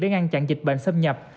để ngăn chặn dịch bệnh xâm nhập